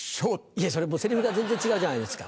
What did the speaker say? いやそれセリフが全然違うじゃないですか。